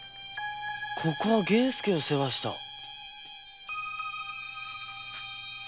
ここは源助を世話した。